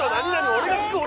俺が聞く！